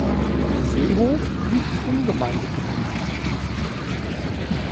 Seehof liegt im Gemeindegebiet.